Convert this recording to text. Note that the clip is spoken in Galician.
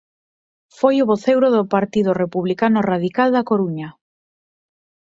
Foi o voceiro do Partido Republicano Radical da Coruña.